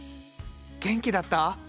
元気だった？